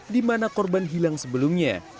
di mana korban hilang sebelumnya